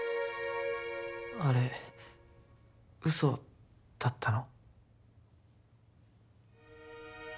あれ嘘だったの？